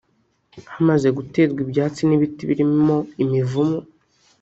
hamaze guterwa ibyatsi n’ibiti birimo imivumu